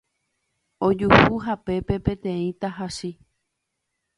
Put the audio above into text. ojuhu hapépe peteĩ tahachi